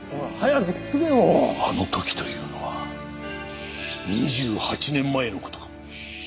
あの時というのは２８年前の事か。